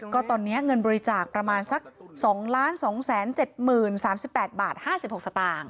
ก็ตอนนี้เงินบริจาคประมาณสัก๒๒๗๐๓๘บาท๕๖สตางค์